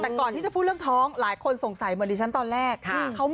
แต่ก่อนที่จะพูดเรื่องท้องหลายคนสงสัยเหมือนดิฉันตอนแรก